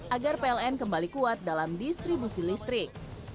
agar pln kembali kuat dalam distribusi listrik